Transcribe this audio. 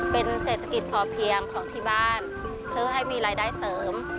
เป็นเศรษฐกิจพอเพียงของที่บ้านเพื่อให้มีรายได้เสริม